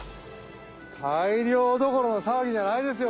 大漁どころの騒ぎじゃないですよ